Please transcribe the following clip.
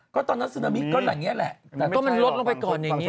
ก็ตอนนั้นซึนามิก็อย่างนี้แหละแต่ก็มันลดลงไปก่อนอย่างนี้